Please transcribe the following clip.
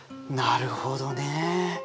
なるほどね。